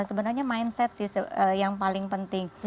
sebenarnya mindset sih yang paling penting